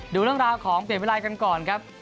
ดูเรื่องราวของเปลี่ยนวิรัยกันก่อนครับ